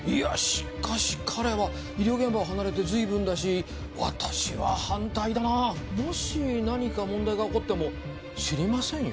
しかし彼は医療現場を離れて随分だし私は反対だなもし何か問題が起こっても知りませんよ